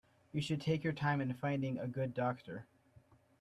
You should take your time in finding a good doctor.